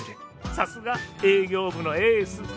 さすが営業部のエース。